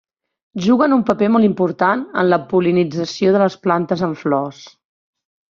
Juguen un paper molt important en la pol·linització de les plantes amb flors.